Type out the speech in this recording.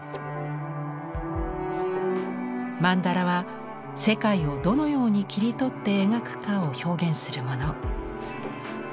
曼荼羅は「世界をどのように切り取って描くか」を表現するもの。